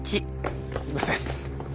すみません。